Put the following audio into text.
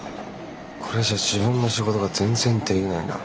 これじゃ自分の仕事が全然できないな。